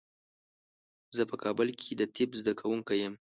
زه په کابل کې د طب زده کوونکی یم.